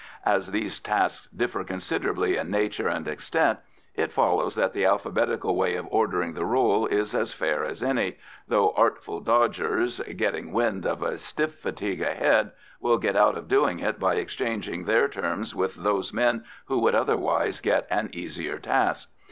As these tasks differ considerably in nature and extent, it follows that the alphabetical way of ordering the roll is as fair as any, though artful dodgers, getting wind of a stiff fatigue ahead, will get out of doing it by exchanging their turns with those men who would otherwise get an easier task.